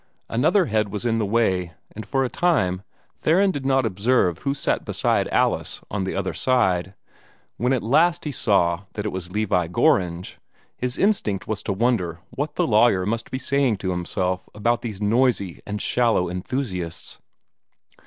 Another head was in the way, and for a time Theron did not observe who sat beside Alice on the other side. When at last he saw that it was Levi Gorringe, his instinct was to wonder what the lawyer must be saying to himself about these noisy and shallow enthusiasts.